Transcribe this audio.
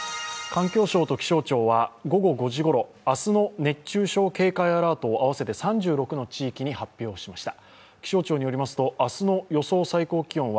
環境省と気象庁は、午後５時ごろ明日の熱中症警戒アラートを合わせて３６の地域に発表しました。